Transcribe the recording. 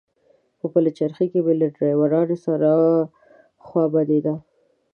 په پلچرخي کې مې له ډریورانو سره خوا بدېده.